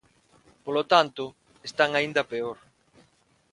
Polo tanto, están aínda peor.